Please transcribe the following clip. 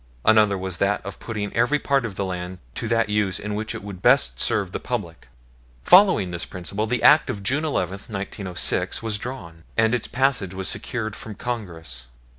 Another was that of putting every part of the land to that use in which it would best serve the public. Following this principle, the Act of June 11, 1906, was drawn, and its passage was secured from Congress.